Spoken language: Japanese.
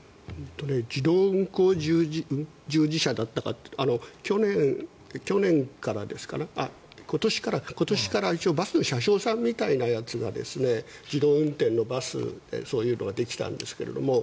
自動運行従事者だったかな今年から一応バスの車掌さんみたいなのが自動運転のバスそういうのができたんですが